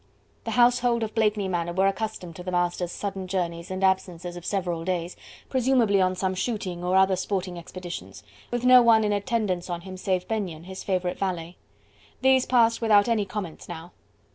The household of Blakeney Manor were accustomed to the master's sudden journeys and absences of several days, presumably on some shooting or other sporting expeditions, with no one in attendance on him, save Benyon, his favourite valet. These passed without any comments now!